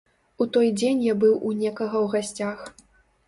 У той дзень я быў у некага ў гасцях.